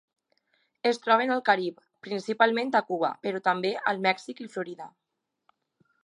Es troben al Carib, principalment a Cuba, però també al Mèxic i Florida.